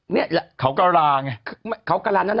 มนุษย์ต่างดาวต้องการจะเจอหน่อย